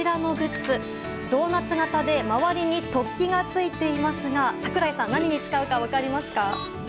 ドーナツ型で周りに突起がついていますが櫻井さん何に使うか分かりますか？